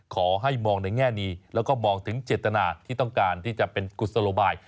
ขอให้มองในแง่นี้แล้วก็มองถึงเจตนาที่ต้องการที่จะเป็นกุศโลบาย